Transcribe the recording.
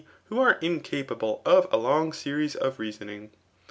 who are incapable of a long series oi reaaoning.